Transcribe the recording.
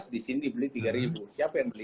di sini beli rp tiga siapa yang beli